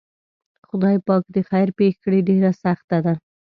خدای پاک دې خیر پېښ کړي ډېره سخته ده.